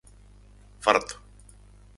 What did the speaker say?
Farto!